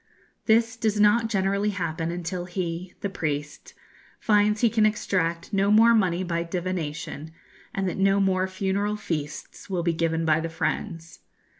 This does not generally happen until he the priest finds he can extract no more money by divination, and that no more funeral feasts will be given by the friends.